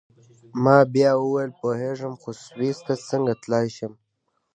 ما بیا وویل: پوهیږم، خو سویس ته څنګه تلای شم؟